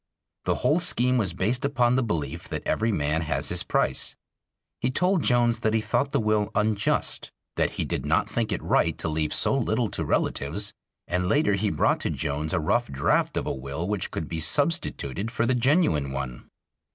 The whole scheme was based upon the belief that "every man has his price." He told Jones that he thought the will unjust; that he did not think it right to leave so little to relatives, and later he brought to Jones a rough draft of a will which could be substituted for the genuine one.